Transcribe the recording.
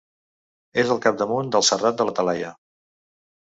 És al capdamunt del Serrat de la Talaia.